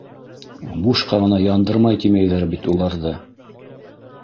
Бушҡа ғына яндырай тимәйҙәр бит уларҙы.